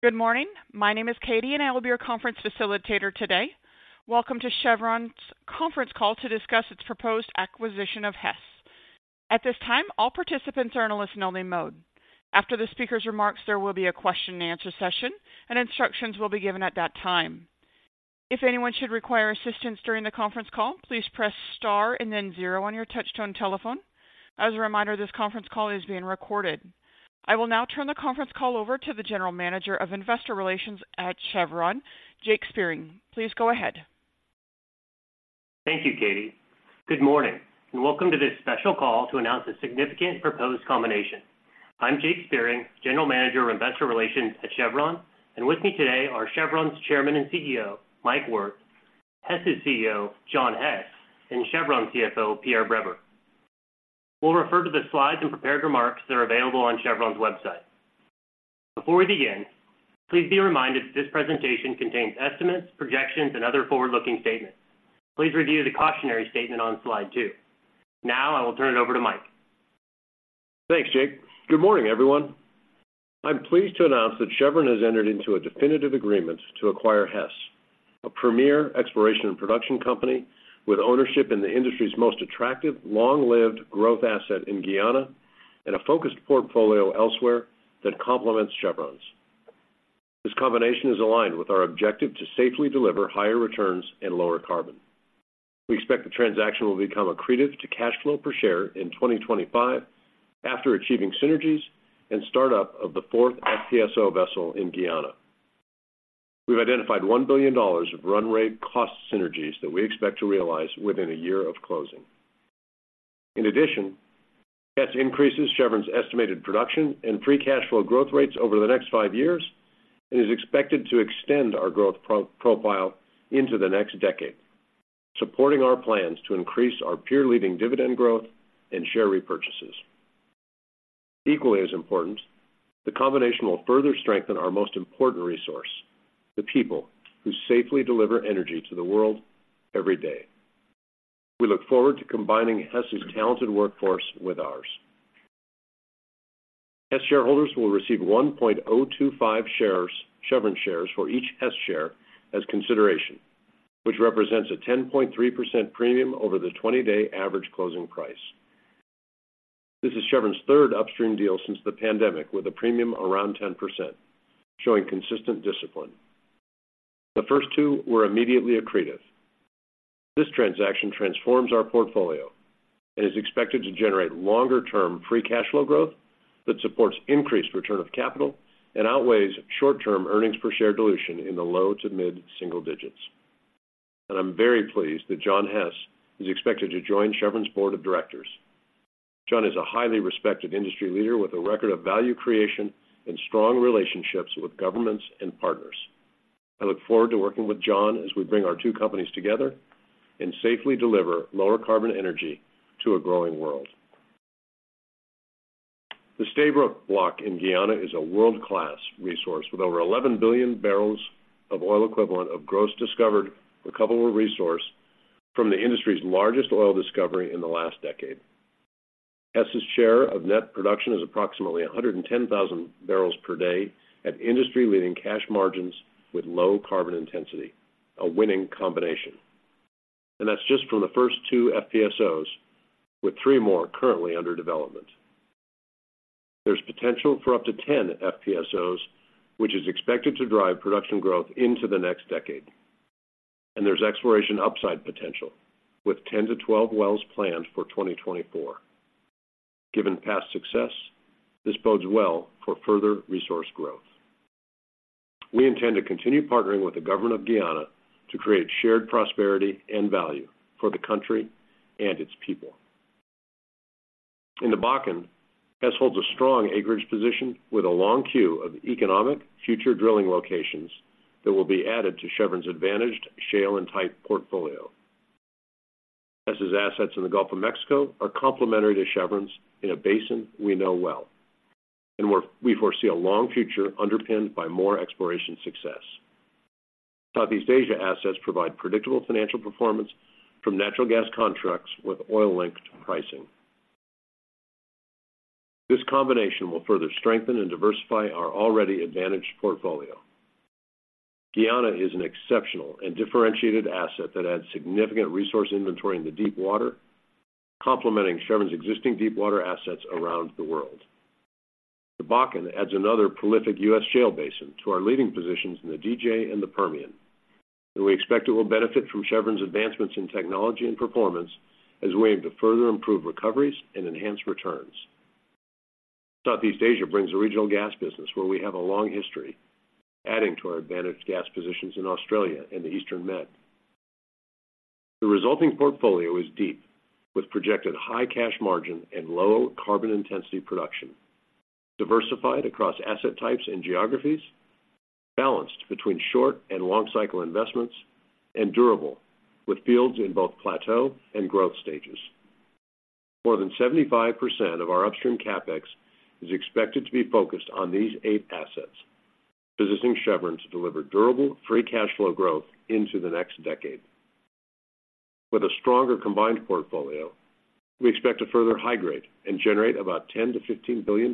Good morning. My name is Katie, and I will be your conference facilitator today. Welcome to Chevron's conference call to discuss its proposed acquisition of Hess. At this time, all participants are in a listen-only mode. After the speaker's remarks, there will be a question-and-answer session, and instructions will be given at that time. If anyone should require assistance during the conference call, please press Star and then zero on your touchtone telephone. As a reminder, this conference call is being recorded. I will now turn the conference call over to the General Manager of Investor Relations at Chevron, Jake Spiering. Please go ahead. Thank you, Katie. Good morning, and welcome to this Special Call to Announce a Significant Proposed Combination. I'm Jake Spiering, General Manager of Investor Relations at Chevron, and with me today are Chevron's Chairman and CEO, Mike Wirth, Hess' CEO, John Hess, and Chevron CFO, Pierre Breber. We'll refer to the slides and prepared remarks that are available on Chevron's website. Before we begin, please be reminded that this presentation contains estimates, projections, and other forward-looking statements. Please review the cautionary statement on slide two. Now, I will turn it over to Mike. Thanks, Jake. Good morning, everyone. I'm pleased to announce that Chevron has entered into a definitive agreement to acquire Hess, a premier exploration and production company with ownership in the industry's most attractive, long-lived growth asset in Guyana and a focused portfolio elsewhere that complements Chevron's. This combination is aligned with our objective to safely deliver higher returns and lower carbon. We expect the transaction will become accretive to cash flow per share in 2025 after achieving synergies and startup of the fourth FPSO vessel in Guyana. We've identified $1 billion of run rate cost synergies that we expect to realize within a year of closing. In addition, Hess increases Chevron's estimated production and free cash flow growth rates over the next five years and is expected to extend our growth profile into the next decade, supporting our plans to increase our peer-leading dividend growth and share repurchases. Equally as important, the combination will further strengthen our most important resource, the people who safely deliver energy to the world every day. We look forward to combining Hess's talented workforce with ours. Hess shareholders will receive 1.025 Chevron shares for each Hess share as consideration, which represents a 10.3% premium over the 20-day average closing price. This is Chevron's third upstream deal since the pandemic, with a premium around 10%, showing consistent discipline. The first two were immediately accretive. This transaction transforms our portfolio and is expected to generate longer-term free cash flow growth that supports increased return of capital and outweighs short-term earnings per share dilution in the low to mid-single digits. I am very pleased that John Hess is expected to join Chevron's board of directors. John is a highly respected industry leader with a record of value creation and strong relationships with governments and partners. I look forward to working with John as we bring our two companies together and safely deliver lower carbon energy to a growing world. The Stabroek Block in Guyana is a world-class resource with over 11 billion barrels of oil equivalent of gross discovered recoverable resource from the industry's largest oil discovery in the last decade. Hess' share of net production is approximately 110,000 barrels per day at industry-leading cash margins with low carbon intensity, a winning combination. That's just from the first two FPSOs, with three more currently under development. There's potential for up to 10 FPSOs, which is expected to drive production growth into the next decade. There's exploration upside potential, with 10-12 wells planned for 2024. Given past success, this bodes well for further resource growth. We intend to continue partnering with the government of Guyana to create shared prosperity and value for the country and its people. In the Bakken, Hess holds a strong acreage position with a long queue of economic future drilling locations that will be added to Chevron's advantaged shale and tight portfolio. Hess's assets in the Gulf of Mexico are complementary to Chevron's in a basin we know well, and we foresee a long future underpinned by more exploration success. Southeast Asia assets provide predictable financial performance from natural gas contracts with oil-linked pricing. This combination will further strengthen and diversify our already advantaged portfolio. Guyana is an exceptional and differentiated asset that adds significant resource inventory in the deepwater, complementing Chevron's existing deepwater assets around the world. The Bakken adds another prolific U.S. shale basin to our leading positions in the DJ and the Permian, and we expect it will benefit from Chevron's advancements in technology and performance as we aim to further improve recoveries and enhance returns. Southeast Asia brings a regional gas business where we have a long history, adding to our advantaged gas positions in Australia and the Eastern Med. The resulting portfolio is deep, with projected high cash margin and low carbon intensity production, diversified across asset types and geographies, balanced between short- and long-cycle investments, and durable, with fields in both plateau and growth stages. More than 75% of our upstream CapEx is expected to be focused on these eight assets, positioning Chevron to deliver durable free cash flow growth into the next decade. With a stronger combined portfolio, we expect to further high grade and generate about $10 billion-$15 billion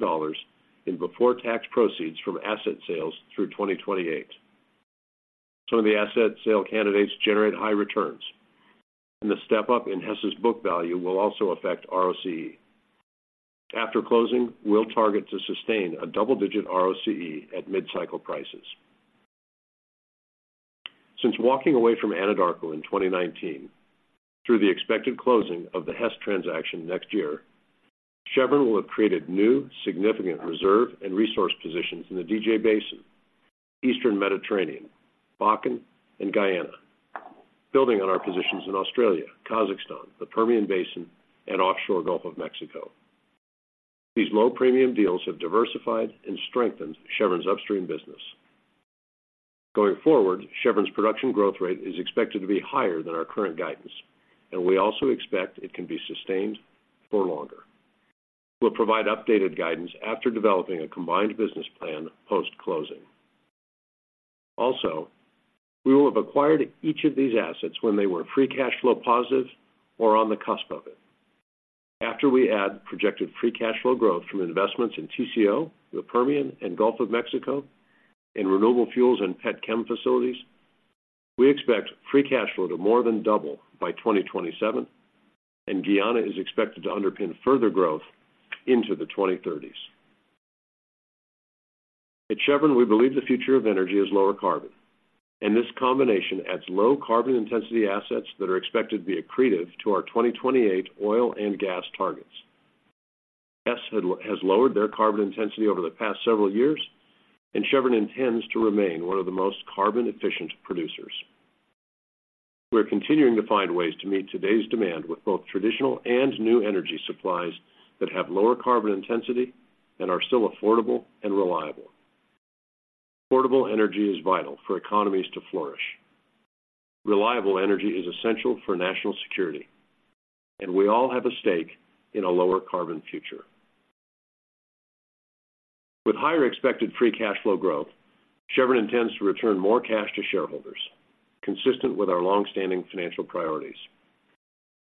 in before-tax proceeds from asset sales through 2028. Some of the asset sale candidates generate high returns, and the step up in Hess's book value will also affect ROCE. After closing, we'll target to sustain a double-digit ROCE at mid-cycle prices. Since walking away from Anadarko in 2019, through the expected closing of the Hess transaction next year, Chevron will have created new significant reserve and resource positions in the DJ Basin, Eastern Mediterranean, Bakken, and Guyana, building on our positions in Australia, Kazakhstan, the Permian Basin, and offshore Gulf of Mexico. These low-premium deals have diversified and strengthened Chevron's upstream business. Going forward, Chevron's production growth rate is expected to be higher than our current guidance, and we also expect it can be sustained for longer. We'll provide updated guidance after developing a combined business plan post-closing. Also, we will have acquired each of these assets when they were free cash flow positive or on the cusp of it. After we add projected free cash flow growth from investments in TCO, the Permian, and Gulf of Mexico, in renewable fuels and petchem facilities, we expect free cash flow to more than double by 2027, and Guyana is expected to underpin further growth into the 2030s. At Chevron, we believe the future of energy is lower carbon, and this combination adds low carbon intensity assets that are expected to be accretive to our 2028 oil and gas targets. Hess has lowered their carbon intensity over the past several years, and Chevron intends to remain one of the most carbon efficient producers. We're continuing to find ways to meet today's demand with both traditional and new energy supplies that have lower carbon intensity and are still affordable and reliable. Affordable energy is vital for economies to flourish. Reliable energy is essential for national security, and we all have a stake in a lower carbon future. With higher expected free cash flow growth, Chevron intends to return more cash to shareholders, consistent with our long-standing financial priorities.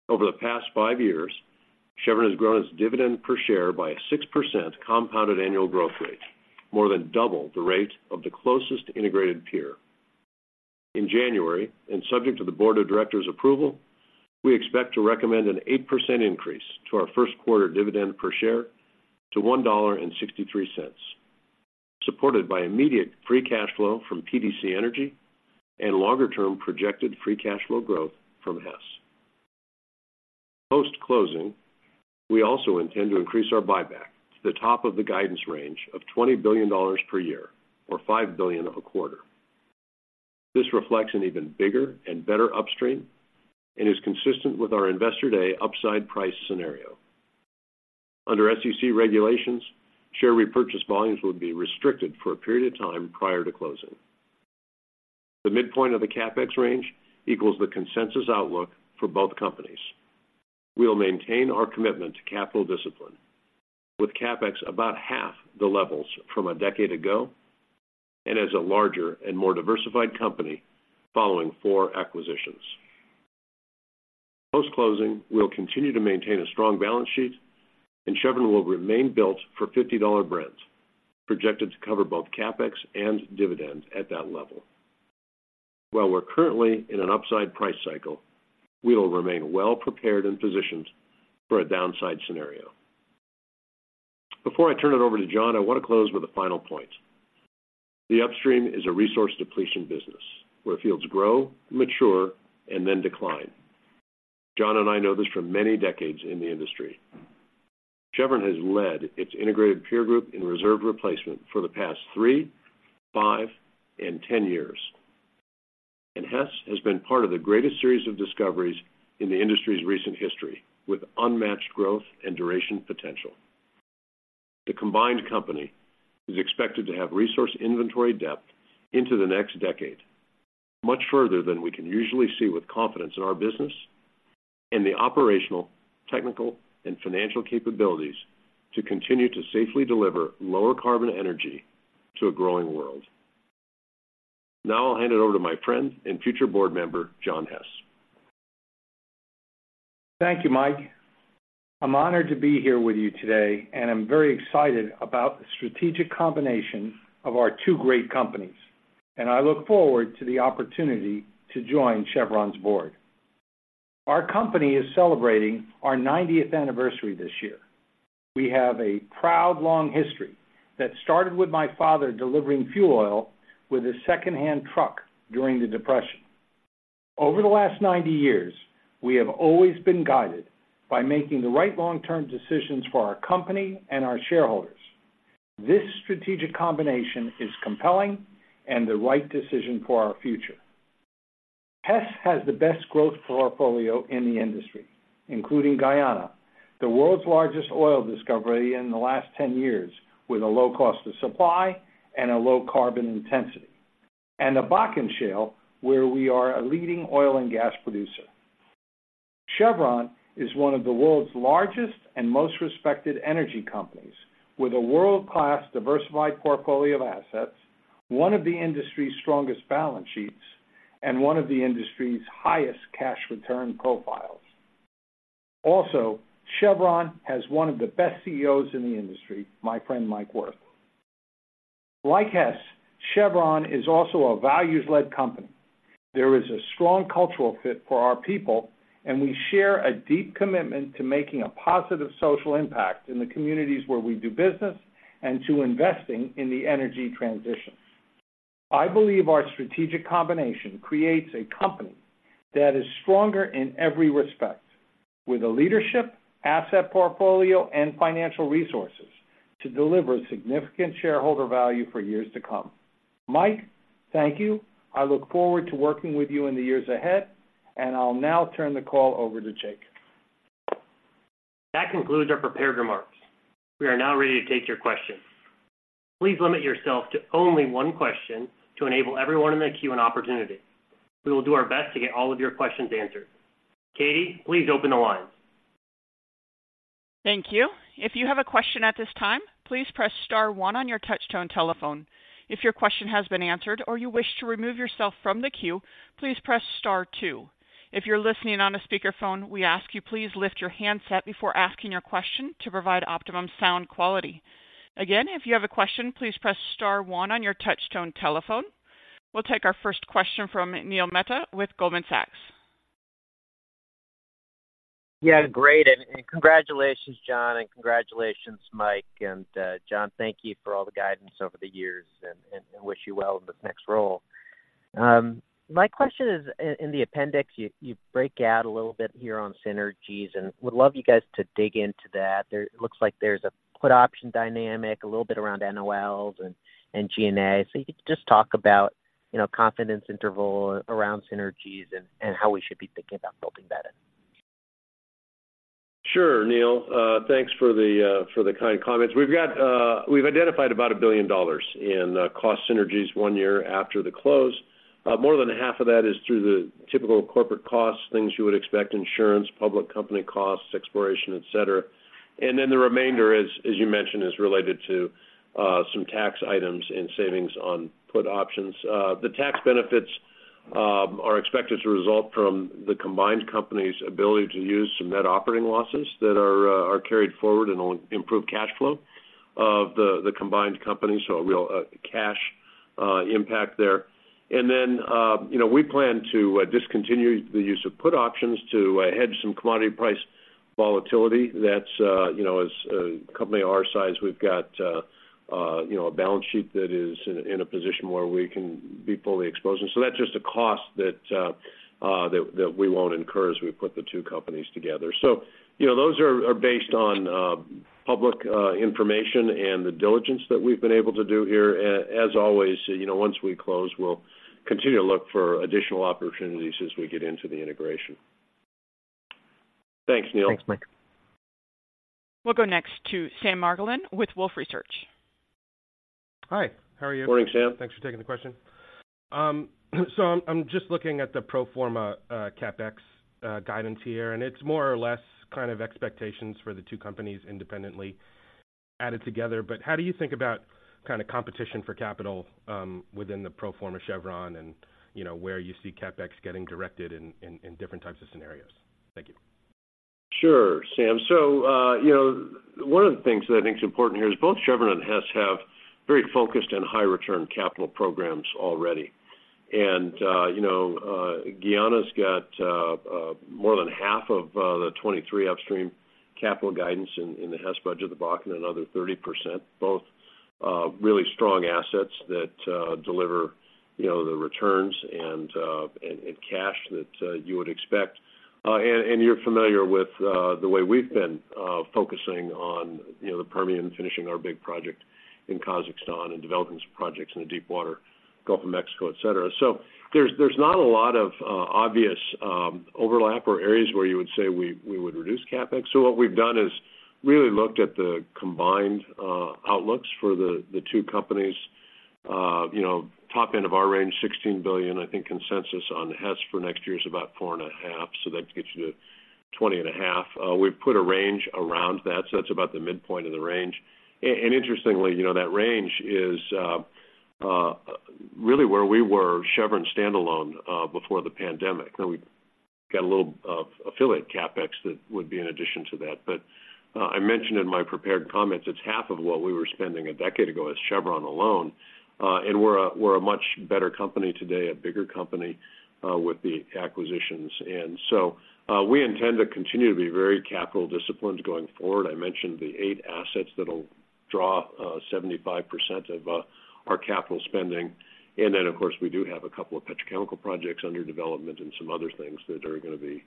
Over the past five years, Chevron has grown its dividend per share by a 6% compounded annual growth rate, more than double the rate of the closest integrated peer. In January, and subject to the board of directors' approval, we expect to recommend an 8% increase to our first quarter dividend per share to $1.63, supported by immediate free cash flow from PDC Energy and longer-term projected free cash flow growth from Hess. Post-closing, we also intend to increase our buyback to the top of the guidance range of $20 billion per year or $5 billion a quarter. This reflects an even bigger and better upstream and is consistent with our Investor Day upside price scenario. Under SEC regulations, share repurchase volumes will be restricted for a period of time prior to closing. The midpoint of the CapEx range equals the consensus outlook for both companies. We'll maintain our commitment to capital discipline, with CapEx about half the levels from a decade ago, and as a larger and more diversified company following four acquisitions. Post-closing, we'll continue to maintain a strong balance sheet, and Chevron will remain built for $50 Brent, projected to cover both CapEx and dividends at that level. While we're currently in an upside price cycle, we will remain well prepared and positioned for a downside scenario. Before I turn it over to John, I want to close with a final point. The upstream is a resource depletion business, where fields grow, mature, and then decline. John and I know this from many decades in the industry. Chevron has led its integrated peer group in reserve replacement for the past three, five, and 10 years, and Hess has been part of the greatest series of discoveries in the industry's recent history, with unmatched growth and duration potential. The combined company is expected to have resource inventory depth into the next decade, much further than we can usually see with confidence in our business and the operational, technical, and financial capabilities to continue to safely deliver lower carbon energy to a growing world. Now I'll hand it over to my friend and future board member, John Hess. Thank you, Mike. I'm honored to be here with you today, and I'm very excited about the strategic combination of our two great companies, and I look forward to the opportunity to join Chevron's board. Our company is celebrating our ninetieth anniversary this year. We have a proud, long history that started with my father delivering fuel oil with a secondhand truck during the Depression. Over the last 90 years, we have always been guided by making the right long-term decisions for our company and our shareholders. This strategic combination is compelling and the right decision for our future. Hess has the best growth portfolio in the industry, including Guyana, the world's largest oil discovery in the last 10 years, with a low cost of supply and a low carbon intensity, and the Bakken Shale, where we are a leading oil and gas producer.... Chevron is one of the world's largest and most respected energy companies, with a world-class diversified portfolio of assets, one of the industry's strongest balance sheets, and one of the industry's highest cash return profiles. Also, Chevron has one of the best CEOs in the industry, my friend Mike Wirth. Like Hess, Chevron is also a values-led company. There is a strong cultural fit for our people, and we share a deep commitment to making a positive social impact in the communities where we do business and to investing in the energy transition. I believe our strategic combination creates a company that is stronger in every respect, with the leadership, asset portfolio, and financial resources to deliver significant shareholder value for years to come. Mike, thank you. I look forward to working with you in the years ahead, and I'll now turn the call over to Jake. That concludes our prepared remarks. We are now ready to take your questions. Please limit yourself to only one question to enable everyone in the queue an opportunity. We will do our best to get all of your questions answered. Katie, please open the lines. Thank you. If you have a question at this time, please press star one on your touchtone telephone. If your question has been answered or you wish to remove yourself from the queue, please press star two. If you're listening on a speakerphone, we ask you please lift your handset before asking your question to provide optimum sound quality. Again, if you have a question, please press star one on your touchtone telephone. We'll take our first question from Neil Mehta with Goldman Sachs. Yeah, great, and congratulations, John, and congratulations, Mike, and John, thank you for all the guidance over the years, and I wish you well in this next role. My question is, in the appendix, you break out a little bit here on synergies, and would love you guys to dig into that. It looks like there's a put option dynamic, a little bit around NOLs and G&A. So if you could just talk about, you know, confidence interval around synergies and how we should be thinking about building that in. Sure, Neil. Thanks for the kind comments. We've identified about $1 billion in cost synergies one year after the close. More than half of that is through the typical corporate costs, things you would expect, insurance, public company costs, exploration, et cetera. And then the remainder, as you mentioned, is related to some tax items and savings on put options. The tax benefits are expected to result from the combined company's ability to use some net operating losses that are carried forward and will improve cash flow of the combined company, so a real cash impact there. And then, you know, we plan to discontinue the use of put options to hedge some commodity price volatility. That's, you know, as a company our size, we've got, you know, a balance sheet that is in a position where we can be fully exposed. And so that's just a cost that we won't incur as we put the two companies together. So, you know, those are based on public information and the diligence that we've been able to do here. As always, you know, once we close, we'll continue to look for additional opportunities as we get into the integration. Thanks, Neil. Thanks, Mike. We'll go next to Sam Margolin with Wolfe Research. Hi, how are you? Morning, Sam. Thanks for taking the question. So I'm just looking at the pro forma CapEx guidance here, and it's more or less kind of expectations for the two companies independently added together. But how do you think about kind of competition for capital within the pro forma Chevron and, you know, where you see CapEx getting directed in different types of scenarios? Thank you. Sure, Sam. So, you know, one of the things that I think is important here is both Chevron and Hess have very focused and high return capital programs already. And, you know, Guyana's got more than half of the 23 upstream capital guidance in the Hess budget, the Bakken, another 30%, both really strong assets that deliver, you know, the returns and cash that you would expect. And you're familiar with the way we've been focusing on, you know, the Permian, finishing our big project in Kazakhstan and developing some projects in the Deepwater, Gulf of Mexico, et cetera. So there's not a lot of obvious overlap or areas where you would say we would reduce CapEx. So what we've done is really looked at the combined outlooks for the two companies. You know, top end of our range, $16 billion, I think consensus on Hess for next year is about $4.5 billion, so that gets you to $20.5 billion. We've put a range around that, so that's about the midpoint of the range. And interestingly, you know, that range is really where we were Chevron standalone before the pandemic. Now, we've got a little affiliate CapEx that would be in addition to that. But I mentioned in my prepared comments, it's half of what we were spending a decade ago as Chevron alone, and we're a much better company today, a bigger company with the acquisitions. And so, we intend to continue to be very capital disciplined going forward. I mentioned the eight assets that'll draw 75% of our capital spending. And then, of course, we do have a couple of petrochemical projects under development and some other things that are gonna be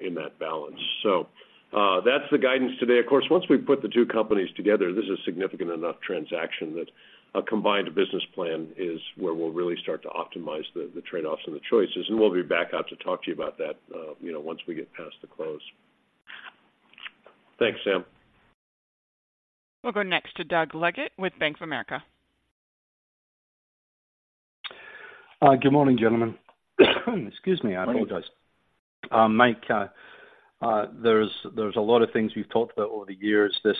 in that balance. So, that's the guidance today. Of course, once we put the two companies together, this is a significant enough transaction that a combined business plan is where we'll really start to optimize the trade-offs and the choices, and we'll be back out to talk to you about that, you know, once we get past the close. Thanks, Sam. We'll go next to Doug Leggate with Bank of America. Good morning, gentlemen. Excuse me, I apologize. Mike, there's a lot of things we've talked about over the years. This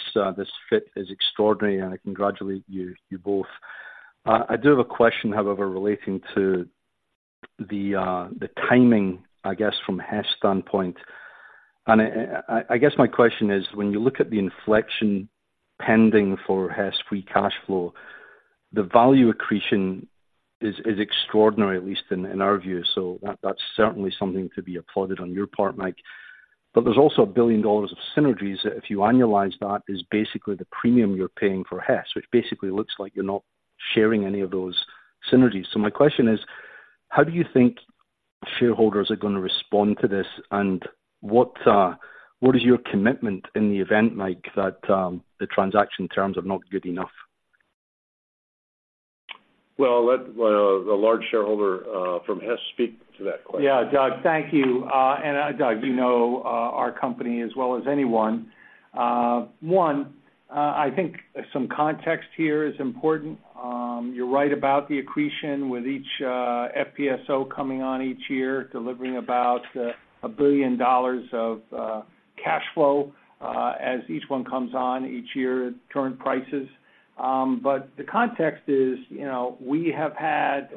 fit is extraordinary, and I congratulate you both. I do have a question, however, relating to the timing, I guess, from Hess' standpoint. And I guess my question is, when you look at the inflection pending for Hess free cash flow, the value accretion is extraordinary, at least in our view. So that's certainly something to be applauded on your part, Mike. But there's also $1 billion of synergies, that if you annualize that, is basically the premium you're paying for Hess, which basically looks like you're not sharing any of those synergies. So my question is: How do you think shareholders are gonna respond to this, and what, what is your commitment in the event, Mike, that, the transaction terms are not good enough? Well, I'll let the large shareholder from Hess speak to that question. Yeah, Doug, thank you. Doug, you know, our company as well as anyone. One, I think some context here is important. You're right about the accretion with each FPSO coming on each year, delivering about $1 billion of cash flow as each one comes on each year at current prices. But the context is, you know, we have had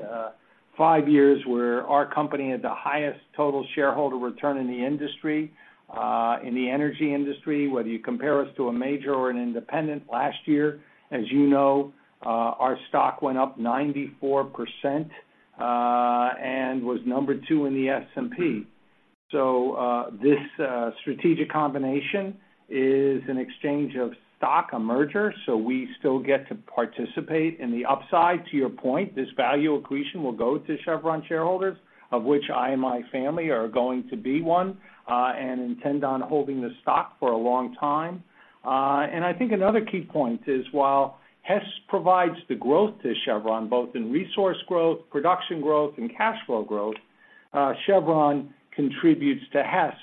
5 years where our company had the highest total shareholder return in the industry, in the energy industry, whether you compare us to a major or an independent. Last year, as you know, our stock went up 94% and was number 2 in the S&P. So, this strategic combination is an exchange of stock, a merger, so we still get to participate in the upside. To your point, this value accretion will go to Chevron shareholders, of which I and my family are going to be one, and intend on holding the stock for a long time. And I think another key point is, while Hess provides the growth to Chevron, both in resource growth, production growth, and cash flow growth, Chevron contributes to Hess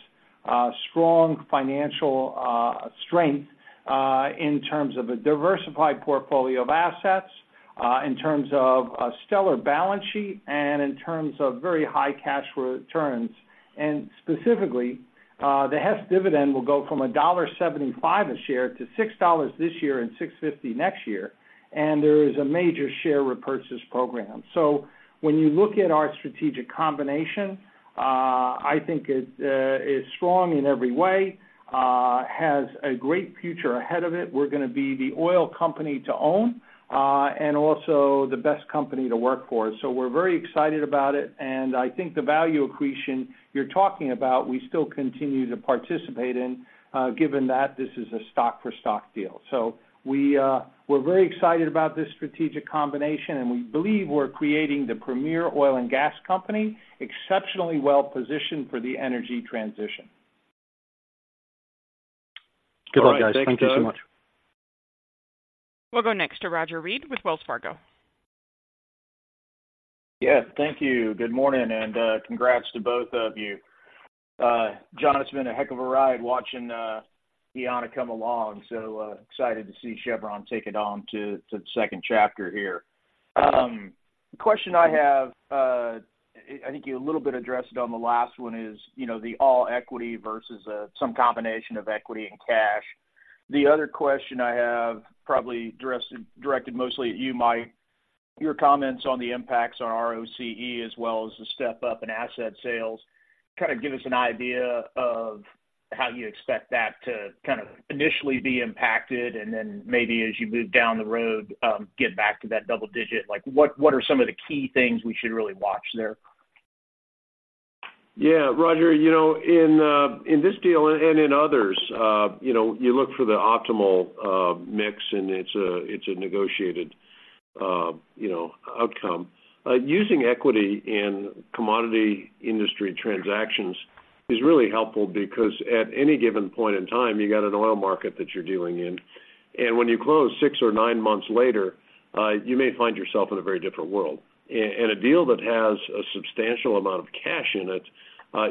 strong financial strength, in terms of a diversified portfolio of assets, in terms of a stellar balance sheet and in terms of very high cash returns. And specifically, the Hess dividend will go from $1.75 a share to $6 this year and $6.50 next year, and there is a major share repurchase program. So when you look at our strategic combination, I think it is strong in every way, has a great future ahead of it. We're gonna be the oil company to own, and also the best company to work for. So we're very excited about it, and I think the value accretion you're talking about, we still continue to participate in, given that this is a stock for stock deal. So we, we're very excited about this strategic combination, and we believe we're creating the premier oil and gas company, exceptionally well positioned for the energy transition. Good luck, guys. Thank you so much. Thanks, Doug. We'll go next to Roger Read with Wells Fargo. Yeah. Thank you. Good morning, and, congrats to both of you. John, it's been a heck of a ride watching, Guyana come along, so, excited to see Chevron take it on to, to the second chapter here. The question I have, I think you a little bit addressed on the last one, is, you know, the all equity versus, some combination of equity and cash. The other question I have, probably dressed--directed mostly at you, Mike, your comments on the impacts on ROCE, as well as the step up in asset sales. Kind of give us an idea of how you expect that to kind of initially be impacted, and then maybe as you move down the road, get back to that double digit. Like, what, what are some of the key things we should really watch there? Yeah, Roger, you know, in this deal and in others, you know, you look for the optimal mix, and it's a negotiated outcome. Using equity in commodity industry transactions is really helpful because at any given point in time, you got an oil market that you're dealing in, and when you close 6 or 9 months later, you may find yourself in a very different world. A deal that has a substantial amount of cash in it,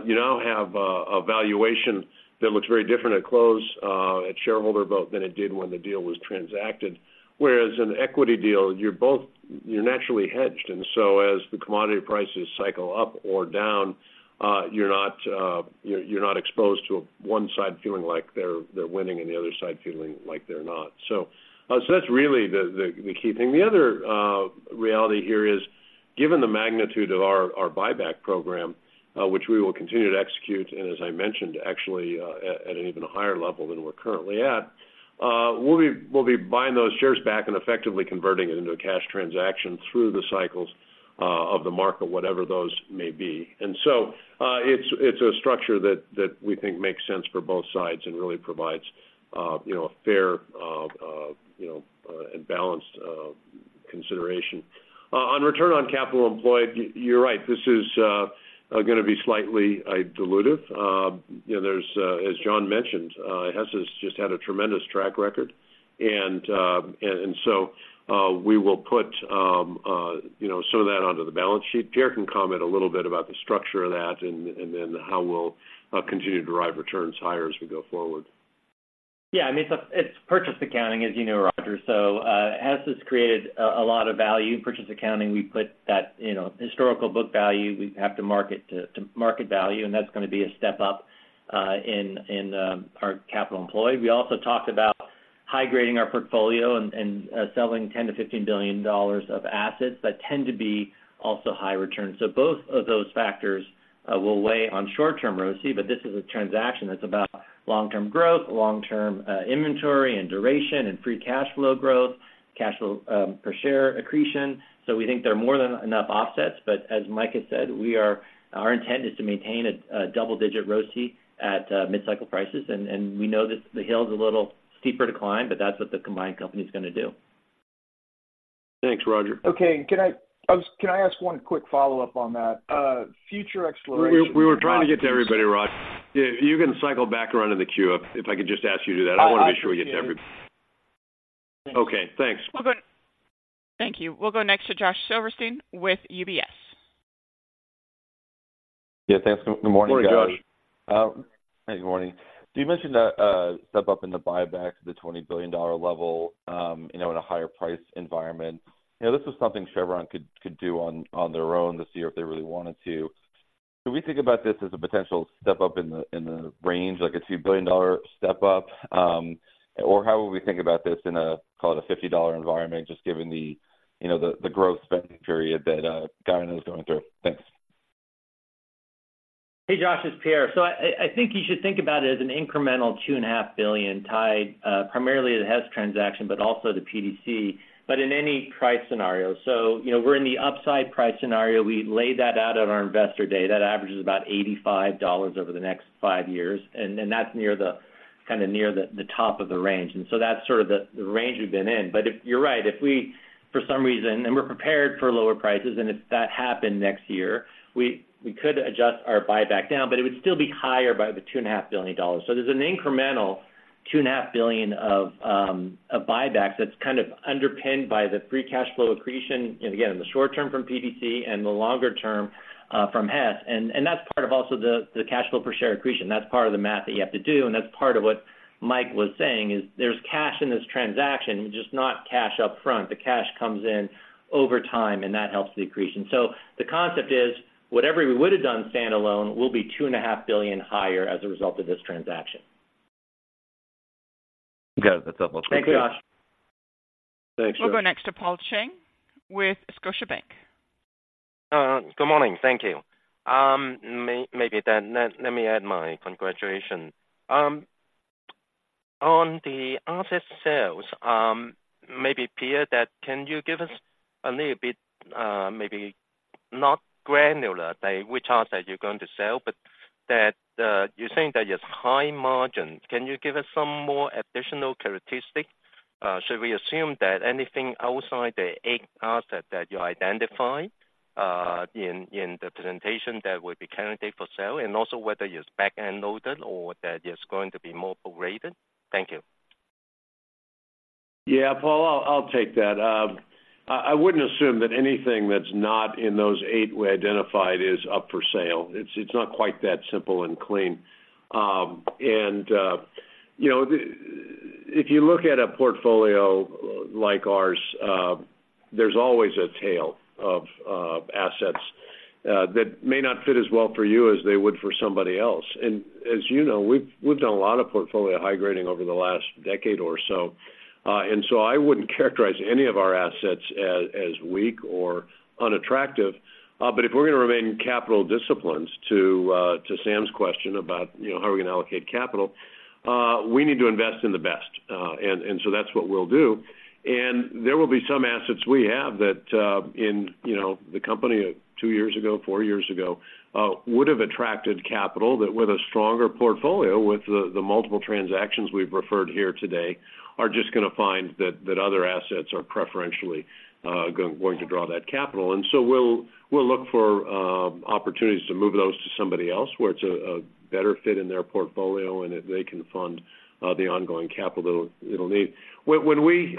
you now have a valuation that looks very different at close, at shareholder vote than it did when the deal was transacted. Whereas an equity deal, you're both—you're naturally hedged, and so as the commodity prices cycle up or down, you're not exposed to one side feeling like they're winning and the other side feeling like they're not. So that's really the key thing. The other reality here is, given the magnitude of our buyback program, which we will continue to execute, and as I mentioned, actually, at an even higher level than we're currently at, we'll be buying those shares back and effectively converting it into a cash transaction through the cycles of the market, whatever those may be. And so, it's a structure that we think makes sense for both sides and really provides, you know, a fair and balanced consideration. On Return on Capital Employed, you're right, this is gonna be slightly dilutive. You know, there's, as John mentioned, Hess has just had a tremendous track record. And so, we will put you know, some of that onto the balance sheet. Pierre can comment a little bit about the structure of that, and then how we'll continue to drive returns higher as we go forward. Yeah, I mean, it's purchase accounting, as you know, Roger. So, Hess has created a lot of value in purchase accounting. We put that, you know, historical book value, we have to mark to market value, and that's gonna be a step up in our capital employed. We also talked about high-grading our portfolio and selling $10 billion-$15 billion of assets that tend to be also high return. So both of those factors will weigh on short-term ROCE, but this is a transaction that's about long-term growth, long-term inventory and duration, and free cash flow growth, cash flow per share accretion. So we think there are more than enough offsets. But as Mike has said, our intent is to maintain a, a double-digit ROCE at, mid-cycle prices, and, and we know that the hill is a little steeper to climb, but that's what the combined company is gonna do. Thanks, Roger. Okay. Can I ask one quick follow-up on that? Future exploration- We were trying to get to everybody, Roger. Yeah, you can cycle back around in the queue, if I could just ask you to do that. I want to make sure we get to every- I appreciate it. Okay, thanks. Thank you. We'll go next to Josh Silverstein with UBS. Yeah, thanks. Good morning, guys. Good morning, Josh. Hey, good morning. You mentioned a step up in the buyback to the $20 billion level, you know, in a higher price environment. You know, this is something Chevron could, could do on, on their own this year if they really wanted to. Do we think about this as a potential step up in the, in the range, like a $2 billion step up? Or how would we think about this in a, call it a $50 environment, just given the, you know, the, the growth spending period that, Guyana is going through? Thanks. Hey, Josh, it's Pierre. So I think you should think about it as an incremental $2.5 billion tied primarily to the Hess transaction, but also the PDC, but in any price scenario. So you know, we're in the upside price scenario. We laid that out at our investor day. That averages about $85 over the next five years, and then that's near the, kind of near the top of the range. And so that's sort of the range we've been in. But if you're right, if we, for some reason, and we're prepared for lower prices, and if that happened next year, we could adjust our buyback down, but it would still be higher by the $2.5 billion. So there's an incremental $2.5 billion of buybacks that's kind of underpinned by the free cash flow accretion, and again, in the short term from PDC and the longer term, from Hess. And that's part of also the cash flow per share accretion. That's part of the math that you have to do, and that's part of what Mike was saying, is there's cash in this transaction, just not cash upfront. The cash comes in over time, and that helps the accretion. So the concept is, whatever we would have done standalone, will be $2.5 billion higher as a result of this transaction. Got it. That's helpful. Thank you, Josh. Thanks, Josh. We'll go next to Paul Cheng with Scotiabank. Good morning. Thank you. Maybe then let me add my congratulations. On the asset sales, maybe, Pierre, can you give us a little bit, maybe not granular, by which asset you're going to sell, but that you're saying that it's high margin. Can you give us some more additional characteristics? Should we assume that anything outside the eight assets that you identify, in the presentation, that would be candidate for sale, and also whether it's back-ended loaded or that it's going to be more operated? Thank you. Yeah, Paul, I'll take that. I wouldn't assume that anything that's not in those eight we identified is up for sale. It's not quite that simple and clean. You know, if you look at a portfolio like ours, there's always a tail of assets that may not fit as well for you as they would for somebody else. And as you know, we've done a lot of portfolio high grading over the last decade or so. And so I wouldn't characterize any of our assets as weak or unattractive. But if we're gonna remain capital disciplined to Sam's question about, you know, how are we gonna allocate capital? We need to invest in the best and so that's what we'll do. There will be some assets we have that, in, you know, the company two years ago, four years ago, would have attracted capital, that with a stronger portfolio, with the, the multiple transactions we've referred here today, are just gonna find that, that other assets are preferentially, going to draw that capital. And so we'll, we'll look for, opportunities to move those to somebody else, where it's a, a better fit in their portfolio, and that they can fund, the ongoing capital it'll need. When, when we,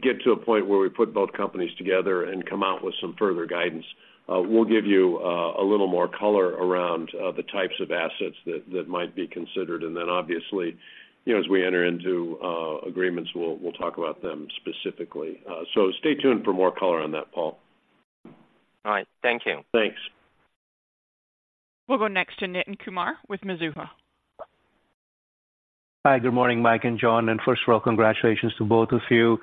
get to a point where we put both companies together and come out with some further guidance, we'll give you, a little more color around, the types of assets that, that might be considered. And then, obviously, you know, as we enter into, agreements, we'll, we'll talk about them specifically. So, stay tuned for more color on that, Paul. All right. Thank you. Thanks. We'll go next to Nitin Kumar with Mizuho. Hi, good morning, Mike and John, and first of all, congratulations to both of you.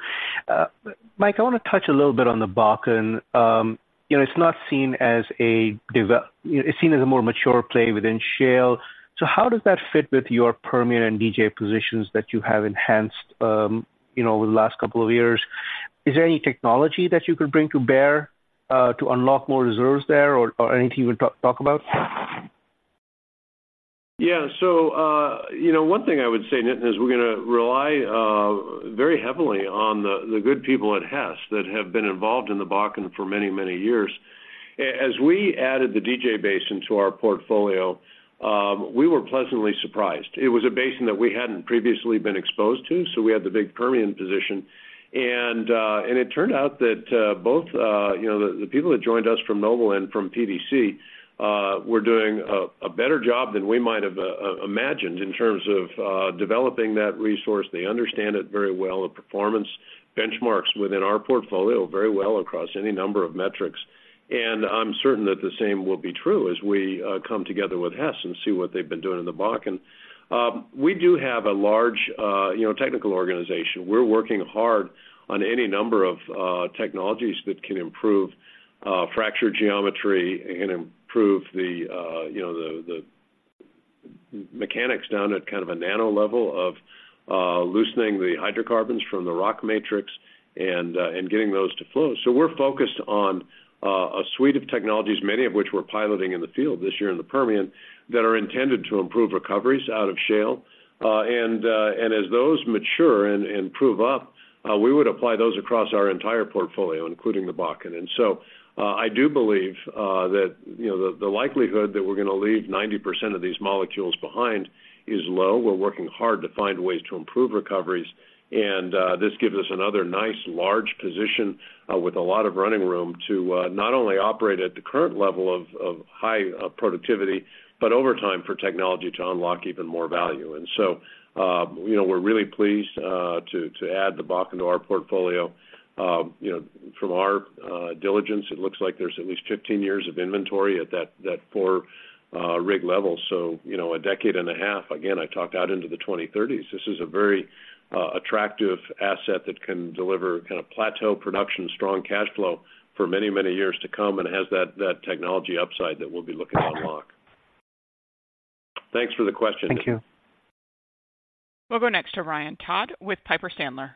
Mike, I want to touch a little bit on the Bakken. You know, it's not seen as a developed—it's seen as a more mature play within shale. So how does that fit with your Permian and DJ positions that you have enhanced, you know, over the last couple of years? Is there any technology that you could bring to bear to unlock more reserves there or anything you would talk about? Yeah. So, you know, one thing I would say, Nitin, is we're gonna rely very heavily on the good people at Hess that have been involved in the Bakken for many, many years. As we added the DJ Basin to our portfolio, we were pleasantly surprised. It was a basin that we hadn't previously been exposed to, so we had the big Permian position.... And it turned out that, you know, the people that joined us from Noble and from PDC were doing a better job than we might have imagined in terms of developing that resource. They understand it very well, the performance benchmarks within our portfolio very well across any number of metrics. And I'm certain that the same will be true as we come together with Hess and see what they've been doing in the Bakken. We do have a large, you know, technical organization. We're working hard on any number of technologies that can improve fracture geometry and improve the, you know, the mechanics down at kind of a nano level of loosening the hydrocarbons from the rock matrix and getting those to flow. So we're focused on a suite of technologies, many of which we're piloting in the field this year in the Permian, that are intended to improve recoveries out of shale. And as those mature and prove up, we would apply those across our entire portfolio, including the Bakken. So, I do believe that, you know, the likelihood that we're gonna leave 90% of these molecules behind is low. We're working hard to find ways to improve recoveries, and this gives us another nice, large position with a lot of running room to not only operate at the current level of high productivity, but over time, for technology to unlock even more value. And so, you know, we're really pleased to add the Bakken to our portfolio. You know, from our diligence, it looks like there's at least 15 years of inventory at that 4 rig level. So, you know, a decade and a half, again, I talked out into the 2030s. This is a very attractive asset that can deliver kind of plateau production, strong cash flow for many, many years to come, and it has that technology upside that we'll be looking to unlock. Thanks for the question. Thank you. We'll go next to Ryan Todd with Piper Sandler.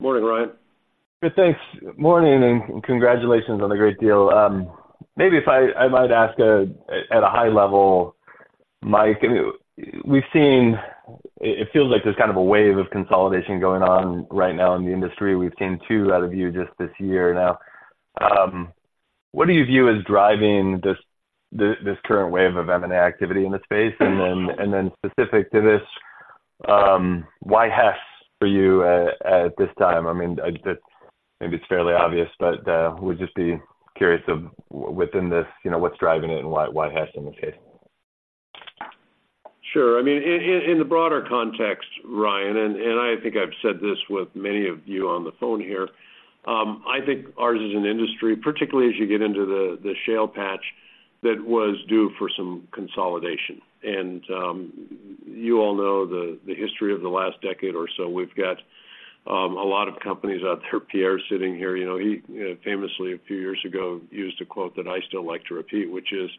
Morning, Ryan. Good. Thanks. Morning, and congratulations on the great deal. Maybe if I—I might ask, at a high level, Mike, we've seen. It feels like there's kind of a wave of consolidation going on right now in the industry. We've seen two out of you just this year now. What do you view as driving this current wave of M&A activity in the space? And then specific to this, why Hess for you at this time? I mean, maybe it's fairly obvious, but would just be curious of within this, you know, what's driving it and why Hess in this case? Sure. I mean, in the broader context, Ryan, and I think I've said this with many of you on the phone here, I think ours is an industry, particularly as you get into the shale patch, that was due for some consolidation. And, you all know the history of the last decade or so. We've got a lot of companies out there. Pierre sitting here, you know, he famously, a few years ago, used a quote that I still like to repeat, which is: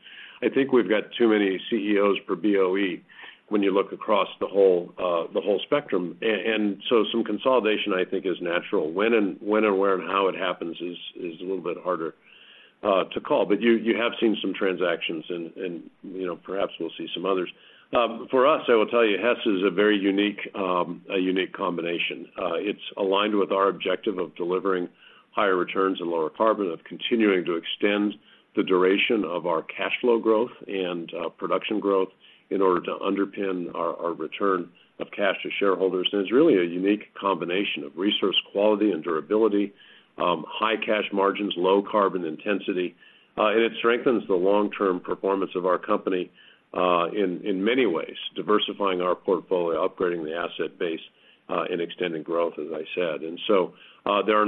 "I think we've got too many CEOs per BOE," when you look across the whole spectrum. And, so some consolidation, I think, is natural. When and where and how it happens is a little bit harder to call, but you have seen some transactions and, you know, perhaps we'll see some others. For us, I will tell you, Hess is a very unique, a unique combination. It's aligned with our objective of delivering higher returns and lower carbon, of continuing to extend the duration of our cash flow growth and production growth in order to underpin our return of cash to shareholders. And it's really a unique combination of resource quality and durability, high cash margins, low carbon intensity, and it strengthens the long-term performance of our company in many ways, diversifying our portfolio, upgrading the asset base, and extending growth, as I said. So, there are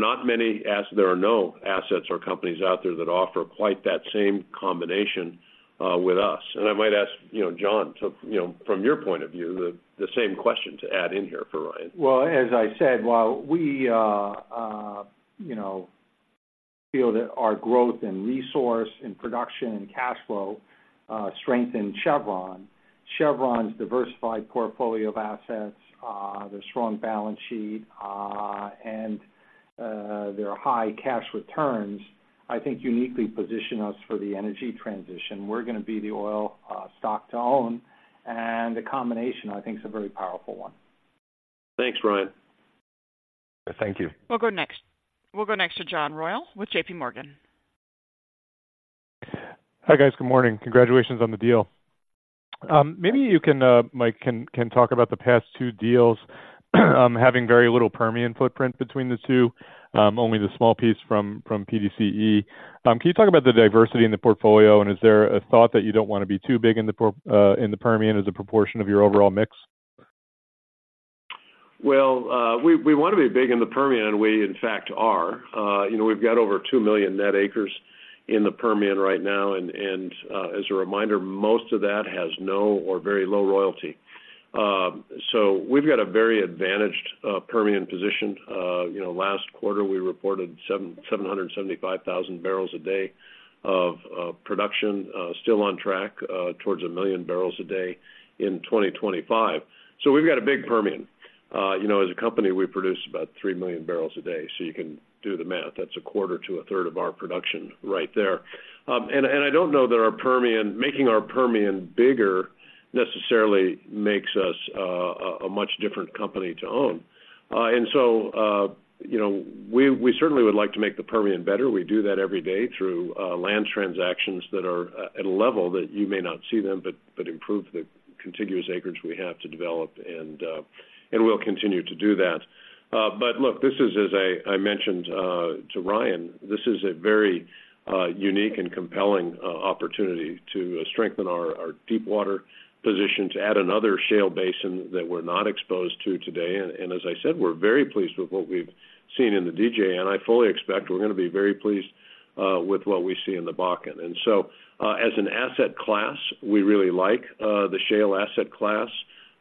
no assets or companies out there that offer quite that same combination with us. I might ask, you know, John, to, you know, from your point of view, the same question to add in here for Ryan. Well, as I said, while we, you know, feel that our growth in resource and production and cash flow strengthen Chevron, Chevron's diversified portfolio of assets, their strong balance sheet, and their high cash returns, I think uniquely position us for the energy transition. We're gonna be the oil, stock to own, and the combination, I think, is a very powerful one. Thanks, Ryan. Thank you. We'll go next to John Royall with JPMorgan. Hi, guys. Good morning. Congratulations on the deal. Maybe you can, Mike, can talk about the past two deals, having very little Permian footprint between the two, only the small piece from PDC. Can you talk about the diversity in the portfolio, and is there a thought that you don't want to be too big in the por- in the Permian as a proportion of your overall mix? Well, we want to be big in the Permian. We, in fact, are. You know, we've got over 2 million net acres in the Permian right now, and as a reminder, most of that has no or very low royalty. So we've got a very advantaged Permian position. You know, last quarter, we reported 775,000 barrels a day of production, still on track towards 1 MMbpd in 2025. So we've got a big Permian. You know, as a company, we produce about 3 MMbpd, so you can do the math. That's a quarter to a third of our production right there. And I don't know that our Permian. Making our Permian bigger necessarily makes us a much different company to own. You know, we certainly would like to make the Permian better. We do that every day through land transactions that are at a level that you may not see them, but improve the contiguous acreage we have to develop, and we'll continue to do that. But look, this is, as I mentioned to Ryan, this is a very unique and compelling opportunity to strengthen our deepwater position, to add another shale basin that we're not exposed to today. And as I said, we're very pleased with what we've seen in the DJ, and I fully expect we're gonna be very pleased with what we see in the Bakken. And so, as an asset class, we really like the shale asset class.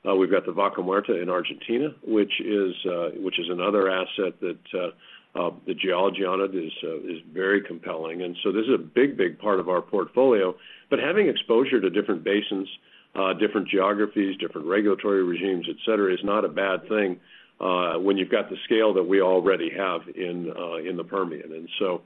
We've got the Vaca Muerta in Argentina, which is another asset that the geology on it is very compelling. And so this is a big, big part of our portfolio. But having exposure to different basins, different geographies, different regulatory regimes, et cetera, is not a bad thing, when you've got the scale that we already have in the Permian. And so,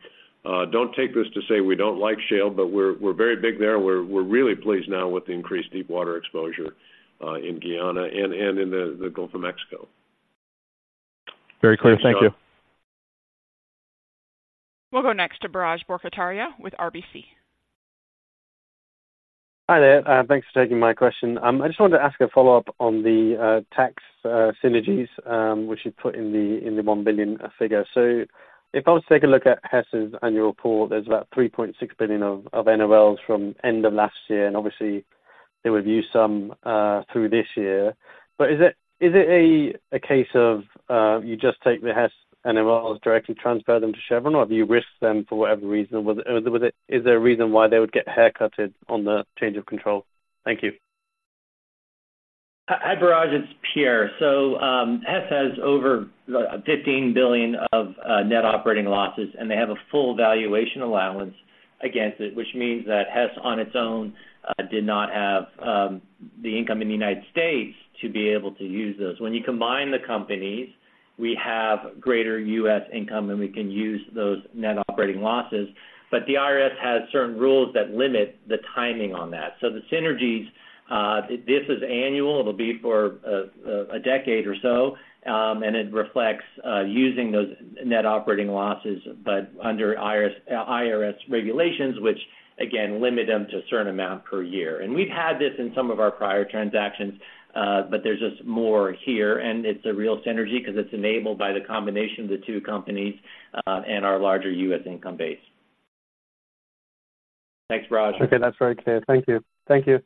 don't take this to say we don't like shale, but we're very big there. We're really pleased now with the increased deepwater exposure in Guyana and in the Gulf of Mexico. Very clear. Thank you. We'll go next to Biraj Borkhataria with RBC. Hi there, thanks for taking my question. I just wanted to ask a follow-up on the tax synergies, which you put in the $1 billion figure. So if I was to take a look at Hess's annual report, there's about $3.6 billion of NOLs from end of last year, and obviously, they would use some through this year. But is it a case of you just take the Hess NOLs directly transfer them to Chevron, or do you risk them for whatever reason? Whether is there a reason why they would get haircutted on the change of control? Thank you. Hi, Biraj, it's Pierre. So, Hess has over $15 billion of net operating losses, and they have a full valuation allowance against it, which means that Hess, on its own, did not have the income in the United States to be able to use those. When you combine the companies, we have greater U.S. income, and we can use those net operating losses. But the IRS has certain rules that limit the timing on that. So the synergies, this is annual. It'll be for a decade or so, and it reflects using those net operating losses, but under IRS regulations, which again, limit them to a certain amount per year. We've had this in some of our prior transactions, but there's just more here, and it's a real synergy because it's enabled by the combination of the two companies, and our larger U.S. income base. Thanks, Biraj. Okay, that's very clear. Thank you. Thank you.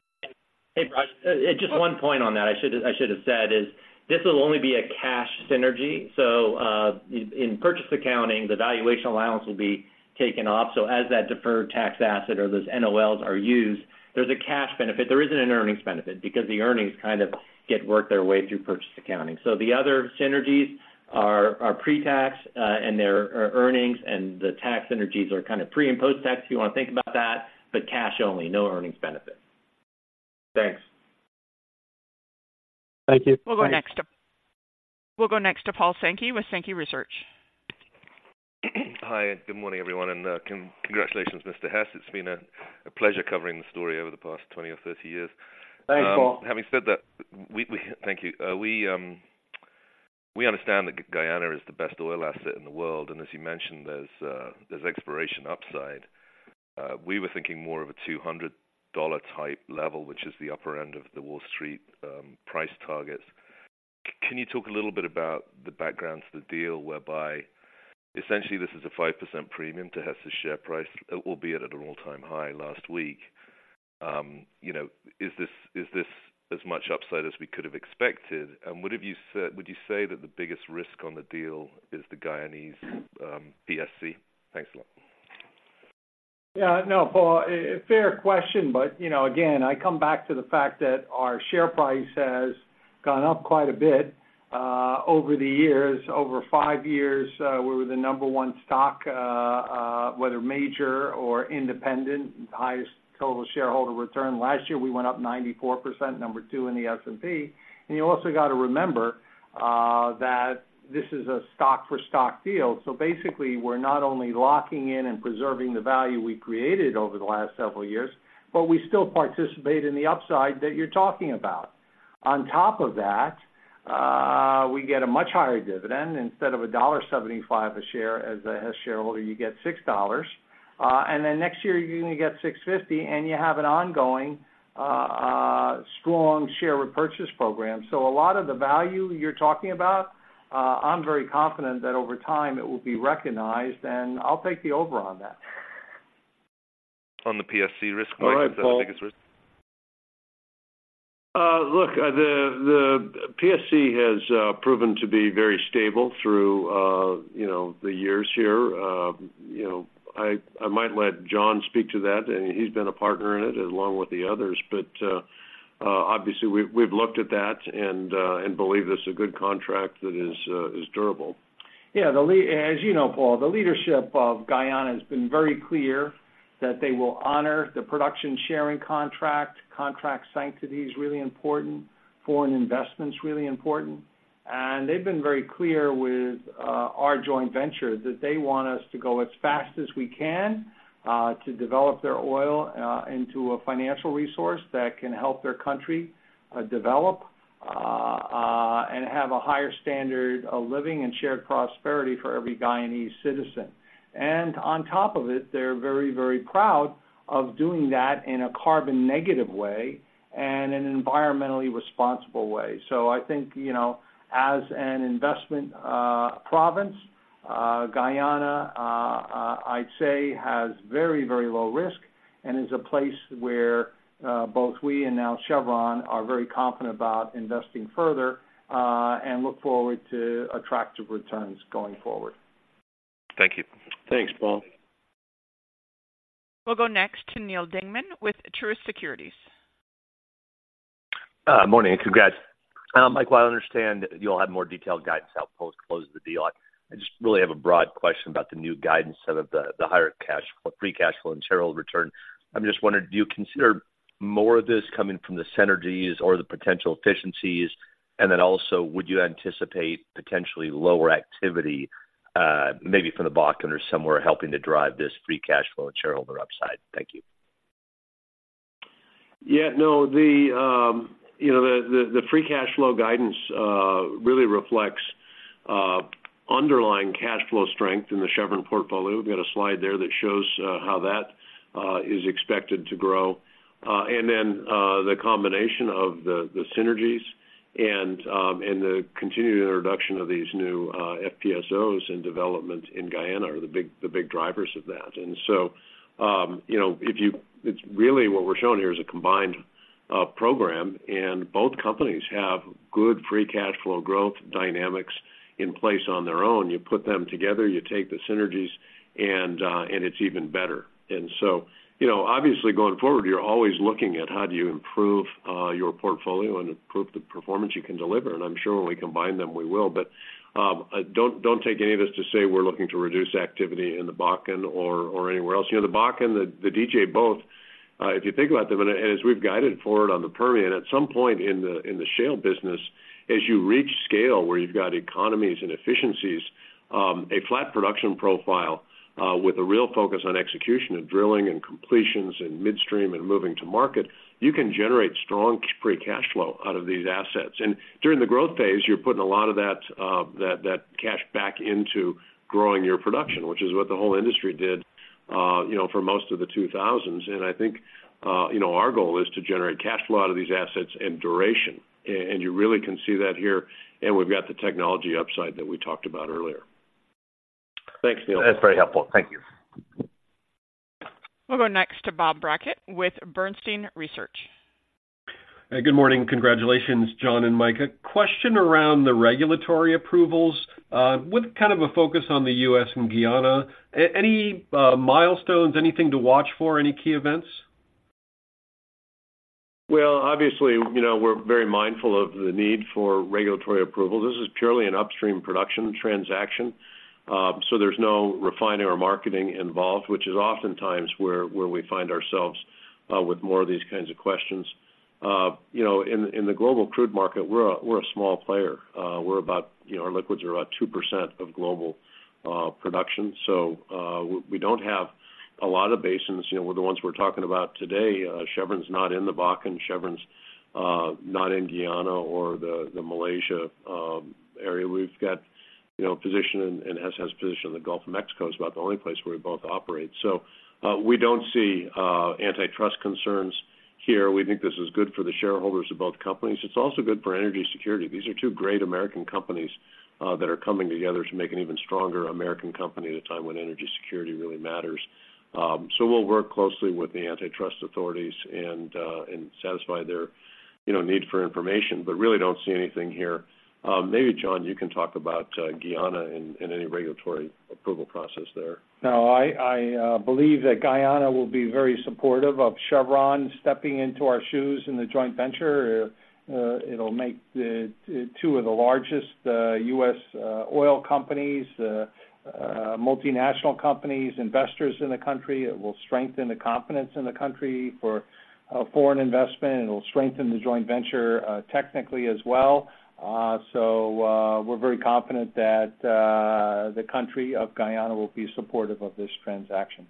Hey, Biraj, just one point on that I should have said is this will only be a cash synergy. So, in purchase accounting, the valuation allowance will be taken off. So as that deferred tax asset or those NOLs are used, there's a cash benefit. There isn't an earnings benefit because the earnings kind of get worked their way through purchase accounting. So the other synergies are pre-tax, and they're earnings, and the tax synergies are kind of pre- and post-tax, if you wanna think about that, but cash only, no earnings benefit. Thanks. Thank you. We'll go next to Paul Sankey with Sankey Research. Hi, good morning, everyone, and congratulations, Mr. Hess. It's been a pleasure covering the story over the past 20 or 30 years. Thanks, Paul. Having said that, we understand that Guyana is the best oil asset in the world, and as you mentioned, there's exploration upside. We were thinking more of a $200 type level, which is the upper end of the Wall Street price targets. Can you talk a little bit about the background to the deal, whereby essentially this is a 5% premium to Hess's share price, albeit at an all-time high last week? You know, is this as much upside as we could have expected? And what have you said, would you say that the biggest risk on the deal is the Guyanese PSC? Thanks a lot. Yeah, no, Paul, a fair question, but, you know, again, I come back to the fact that our share price has gone up quite a bit, over the years. Over 5 years, we were the number one stock, whether major or independent, the highest total shareholder return. Last year, we went up 94%, number two in the S&P. And you also got to remember, that this is a stock-for-stock deal. So basically, we're not only locking in and preserving the value we created over the last several years, but we still participate in the upside that you're talking about. On top of that, we get a much higher dividend. Instead of $1.75 a share as a Hess shareholder, you get $6. And then next year, you're gonna get $6.50, and you have an ongoing, strong share repurchase program. So a lot of the value you're talking about, I'm very confident that over time, it will be recognized, and I'll take the over on that. On the PSC risk, right? All right, Paul. Is that the biggest risk? Look, the PSC has proven to be very stable through, you know, the years here. You know, I might let John speak to that, and he's been a partner in it, along with the others. But obviously, we've looked at that and believe this is a good contract that is durable. Yeah, as you know, Paul, the leadership of Guyana has been very clear that they will honor the production sharing contract. Contract sanctity is really important. Foreign investment's really important. And they've been very clear with our joint venture that they want us to go as fast as we can to develop their oil into a financial resource that can help their country develop and have a higher standard of living and shared prosperity for every Guyanese citizen. And on top of it, they're very, very proud of doing that in a carbon negative way and in an environmentally responsible way. So I think, you know, as an investment, province, Guyana, I'd say, has very, very low risk and is a place where, both we and now Chevron are very confident about investing further, and look forward to attractive returns going forward. Thank you. Thanks, Paul. We'll go next to Neal Dingman with Truist Securities. Morning, and congrats. Mike, while I understand you'll have more detailed guidance out post close of the deal, I just really have a broad question about the new guidance set of the higher cash-free cash flow and shareholder return. I'm just wondering, do you consider more of this coming from the synergies or the potential efficiencies? And then also, would you anticipate potentially lower activity, maybe from the Bakken or somewhere, helping to drive this free cash flow and shareholder upside? Thank you. Yeah, no, you know, the free cash flow guidance really reflects underlying cash flow strength in the Chevron portfolio. We've got a slide there that shows how that is expected to grow. And then, the combination of the synergies and the continued introduction of these new FPSOs and development in Guyana are the big drivers of that. And so, you know, it's really what we're showing here is a combined program, and both companies have good free cash flow growth dynamics in place on their own. You put them together, you take the synergies, and it's even better. And so, you know, obviously, going forward, you're always looking at how do you improve your portfolio and improve the performance you can deliver. And I'm sure when we combine them, we will. But, don't take any of this to say we're looking to reduce activity in the Bakken or anywhere else. You know, the Bakken, the DJ, both, if you think about them, and as we've guided forward on the Permian, at some point in the shale business, as you reach scale where you've got economies and efficiencies, a flat production profile, with a real focus on execution and drilling and completions and midstream and moving to market, you can generate strong free cash flow out of these assets. And during the growth phase, you're putting a lot of that cash back into growing your production, which is what the whole industry did, you know, for most of the two thousands. And I think, you know, our goal is to generate cash flow out of these assets and duration. And you really can see that here, and we've got the technology upside that we talked about earlier. Thanks, Neal. That's very helpful. Thank you. We'll go next to Bob Brackett with Bernstein Research. Good morning. Congratulations, John and Mike. A question around the regulatory approvals, with kind of a focus on the U.S. and Guyana. Any milestones, anything to watch for, any key events? Well, obviously, you know, we're very mindful of the need for regulatory approval. This is purely an upstream production transaction, so there's no refining or marketing involved, which is oftentimes where we find ourselves with more of these kinds of questions. You know, in the global crude market, we're a small player. We're about, you know, our liquids are about 2% of global production, so we don't have a lot of basins. You know, the ones we're talking about today, Chevron's not in the Bakken, Chevron's not in Guyana or the Malaysia area. We've got, you know, position and Hess position in the Gulf of Mexico is about the only place where we both operate. So we don't see antitrust concerns here. We think this is good for the shareholders of both companies. It's also good for energy security. These are two great American companies that are coming together to make an even stronger American company at a time when energy security really matters. So we'll work closely with the antitrust authorities and satisfy their, you know, need for information, but really don't see anything here. Maybe, John, you can talk about Guyana and any regulatory approval process there. No, I believe that Guyana will be very supportive of Chevron stepping into our shoes in the joint venture. It'll make the two of the largest U.S. oil companies, multinational companies, investors in the country. It will strengthen the confidence in the country for foreign investment, and it'll strengthen the joint venture technically as well. So, we're very confident that the country of Guyana will be supportive of this transaction.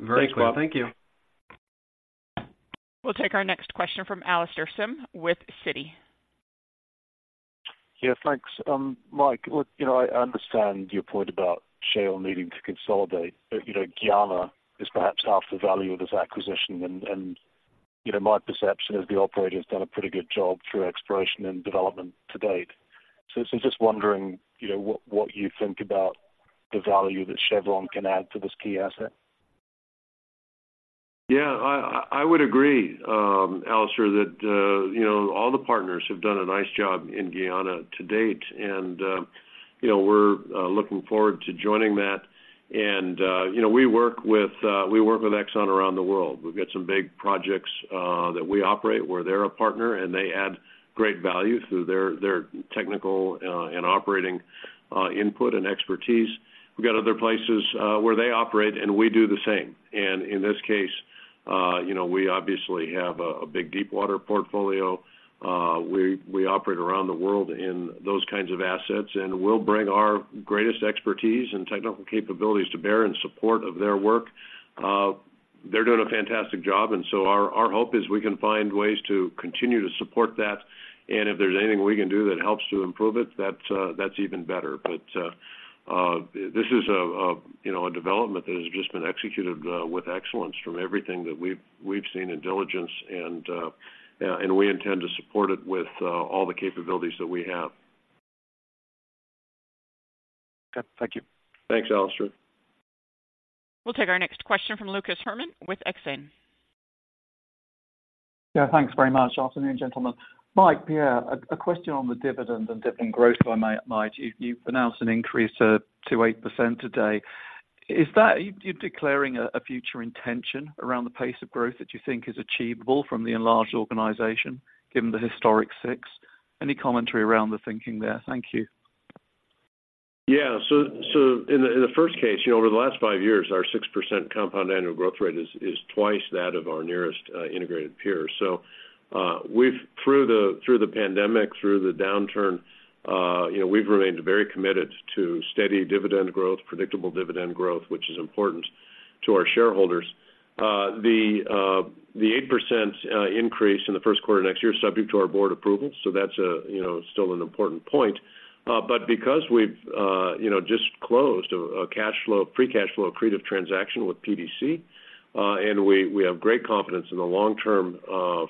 Very clear. Thank you. We'll take our next question from Alastair Syme with Citi. Yeah, thanks. Mike, look, you know, I understand your point about shale needing to consolidate, but, you know, Guyana is perhaps half the value of this acquisition. And, you know, my perception is the operator has done a pretty good job through exploration and development to date. So I'm just wondering, you know, what you think about the value that Chevron can add to this key asset? Yeah, I would agree, Alastair, that, you know, all the partners have done a nice job in Guyana to date, and, you know, we're looking forward to joining that. And, you know, we work with Exxon around the world. We've got some big projects that we operate, where they're a partner, and they add great value through their technical and operating input and expertise. We've got other places where they operate, and we do the same. And in this case, you know, we obviously have a big deepwater portfolio. We operate around the world in those kinds of assets, and we'll bring our greatest expertise and technical capabilities to bear in support of their work. They're doing a fantastic job, and so our hope is we can find ways to continue to support that. If there's anything we can do that helps to improve it, that's even better. But this is, you know, a development that has just been executed with excellence from everything that we've seen in diligence, and we intend to support it with all the capabilities that we have. Okay, thank you. Thanks, Alastair. We'll take our next question from Lucas Herrmann with Exane. Yeah, thanks very much. Afternoon, gentlemen. Mike, yeah, a question on the dividend and dividend growth, if I might. You've announced an increase to 8% today. Is that you're declaring a future intention around the pace of growth that you think is achievable from the enlarged organization, given the historic 6%? Any commentary around the thinking there? Thank you. Yeah. So in the first case, you know, over the last five years, our 6% compound annual growth rate is twice that of our nearest integrated peers. So, we've, through the pandemic, through the downturn, you know, we've remained very committed to steady dividend growth, predictable dividend growth, which is important to our shareholders. The 8% increase in the first quarter next year is subject to our board approval, so that's, you know, still an important point. But because we've, you know, just closed a cash flow, free cash flow accretive transaction with PDC, and we have great confidence in the long-term,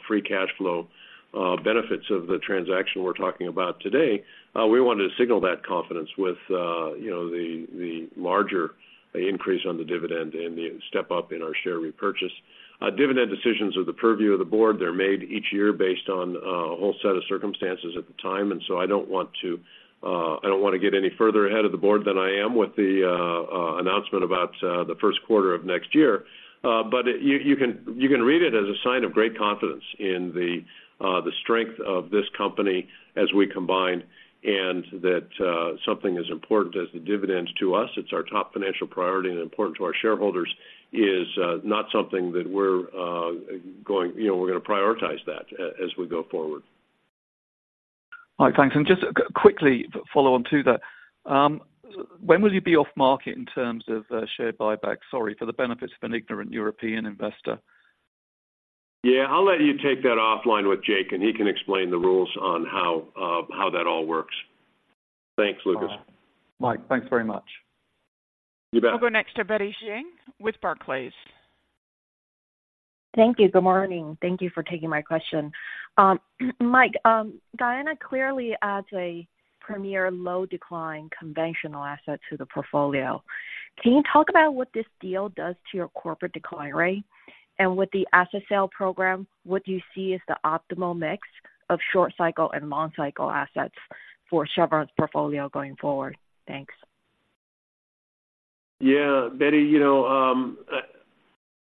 free cash flow benefits of the transaction we're talking about today, we wanted to signal that confidence with, you know, the larger increase on the dividend and the step up in our share repurchase. Dividend decisions are the purview of the board. They're made each year based on a whole set of circumstances at the time, and so I don't want to, I don't want to get any further ahead of the board than I am with the announcement about the first quarter of next year. But you can read it as a sign of great confidence in the strength of this company as we combine, and that something as important as the dividends to us, it's our top financial priority and important to our shareholders, is not something that we're going... You know, we're gonna prioritize that as we go forward. All right, thanks. And just quickly follow on to that. When will you be off market in terms of share buyback? Sorry for the benefits of an ignorant European investor. Yeah, I'll let you take that offline with Jake, and he can explain the rules on how that all works. Thanks, Lucas. All right. Mike, thanks very much. You bet. We'll go next to Betty Jiang with Barclays. Thank you. Good morning. Thank you for taking my question. Mike, Guyana clearly adds a premier low decline, conventional asset to the portfolio. Can you talk about what this deal does to your corporate decline rate? And with the asset sale program, what do you see as the optimal mix of short cycle and long cycle assets for Chevron's portfolio going forward? Thanks. Yeah, Betty, you know,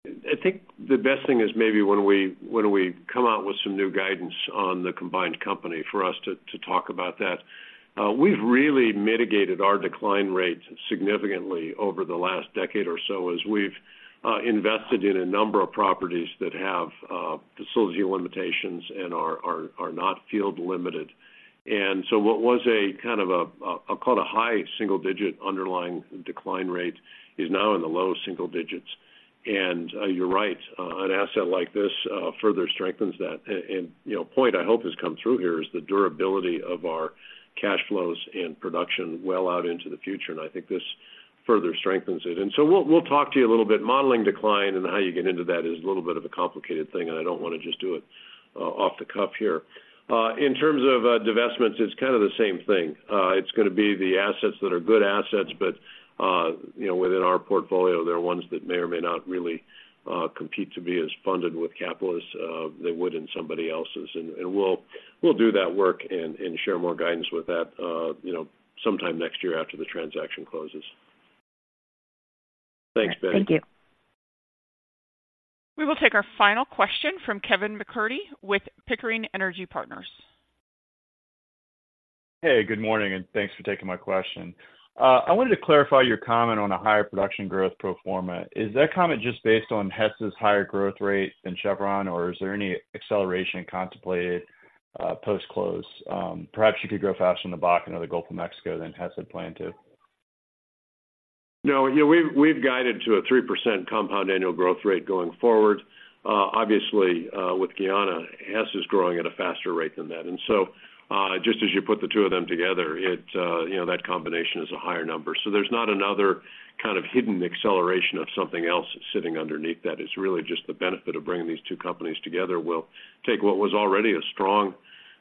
I think the best thing is maybe when we come out with some new guidance on the combined company for us to talk about that. We've really mitigated our decline rates significantly over the last decade or so, as we've invested in a number of properties that have facility limitations and are not field limited. And so what was a kind of, I'll call it a high single digit underlying decline rate, is now in the low single digits. And, you're right, an asset like this further strengthens that. And, you know, the point I hope has come through here is the durability of our cash flows and production well out into the future, and I think this further strengthens it. And so we'll talk to you a little bit. Modeling decline and how you get into that is a little bit of a complicated thing, and I don't want to just do it off the cuff here. In terms of divestments, it's kind of the same thing. It's gonna be the assets that are good assets, but you know, within our portfolio, there are ones that may or may not really compete to be as funded with capital they would in somebody else's. And we'll do that work and share more guidance with that, you know, sometime next year after the transaction closes. Thanks, Betty. Thank you. We will take our final question from Kevin MacCurdy, with Pickering Energy Partners. Hey, good morning, and thanks for taking my question. I wanted to clarify your comment on a higher production growth pro forma. Is that comment just based on Hess's higher growth rate than Chevron, or is there any acceleration contemplated, post-close? Perhaps you could grow faster in the Bakken or the Gulf of Mexico than Hess had planned to. No, you know, we've guided to a 3% compound annual growth rate going forward. Obviously, with Guyana, Hess is growing at a faster rate than that. And so, just as you put the two of them together, you know, that combination is a higher number. So there's not another kind of hidden acceleration of something else sitting underneath that. It's really just the benefit of bringing these two companies together will take what was already a strong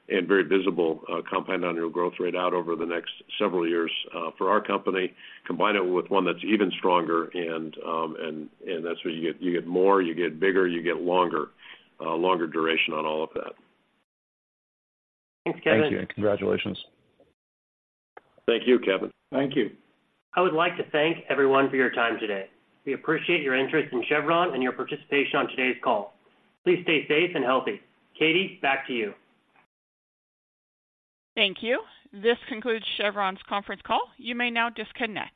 and very visible compound annual growth rate out over the next several years for our company, combine it with one that's even stronger, and that's where you get more, you get bigger, you get longer duration on all of that. Thanks, Kevin. Thank you, and congratulations. Thank you, Kevin. Thank you. I would like to thank everyone for your time today. We appreciate your interest in Chevron and your participation on today's call. Please stay safe and healthy. Katie, back to you. Thank you. This concludes Chevron's conference call. You may now disconnect.